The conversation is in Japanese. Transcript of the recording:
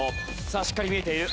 さあしっかり見えている。